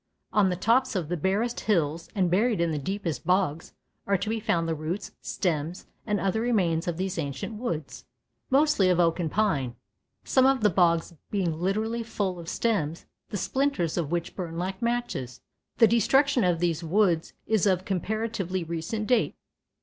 On the tops of the barest hills and buried in the deepest bogs are to be found the roots, stems and other remains of these ancient woods, mostly of oak and pine, some of the bogs being literally full of stems, the splinters of which burn like matches. The destruction of these woods is of comparatively recent date.